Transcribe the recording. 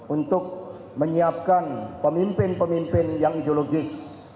untuk menyiapkan pemimpin pemimpin yang ideologis